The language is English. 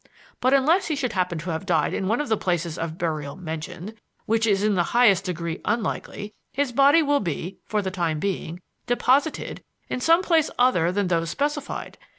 But unless he should happen to have died in one of the places of burial mentioned which is in the highest degree unlikely his body will be, for the time being, 'deposited' in some place other than those specified.